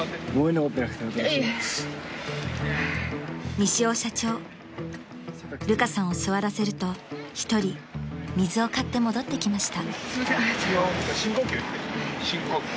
［西尾社長ルカさんを座らせると一人水を買って戻ってきました］